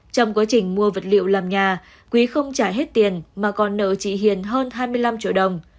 trong quá trình mua vật liệu làm nhà quý không trả hết tiền mà còn nợ chị hiền hơn hai mươi năm triệu đồng